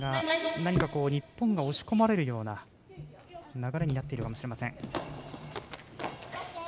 何か、日本が押し込まれるような流れになっているかもしれません。